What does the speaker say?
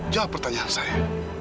jawab pertanyaan saya